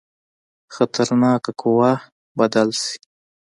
خطرناکه قوه بدل شي.